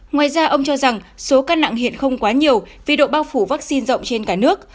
ngoài ra ông cho rằng số ca nặng hiện không quá nhiều vì độ bao phủ vaccine rộng trên cả nước